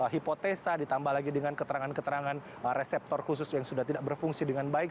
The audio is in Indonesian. hipotesa ditambah lagi dengan keterangan keterangan reseptor khusus yang sudah tidak berfungsi dengan baik